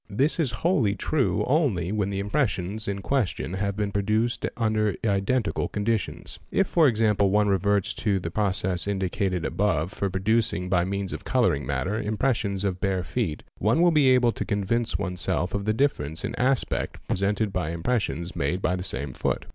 This is wholly true only when the impressions in question have been produced under iden tical conditions. If, for example, one reverts to the process indicated _ above for producing by means of colouring matter impressions of bare feet, one will be able to convince oneself of the difference in aspect pre sented by impressions made by the same foot.